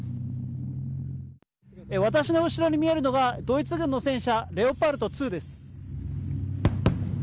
私の後ろに見えるのがドイツ軍の戦車レオパルト２です。